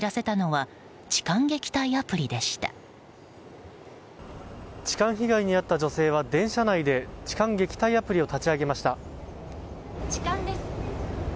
痴漢被害に遭った女性は電車内で痴漢撃退アプリを立ち上げました。